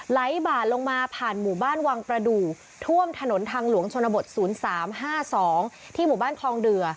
ไล่บ่านลงมาผ่านหมู่บ้านวังประดู่ท่วมถนนทางหลวงชนบทศูนย์สามห้าสองที่หมู่บ้านคลองเดือ